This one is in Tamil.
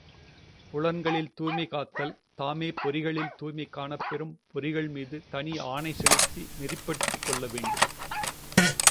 புலன்களில் தூய்மை காத்தால், தாமே பொறிகளில் தூய்மை காணப்பெறும், பொறிகள் மீது தனி ஆணை செலுத்தி நெறிப்படுத்திக் கொள்ளவேண்டும்.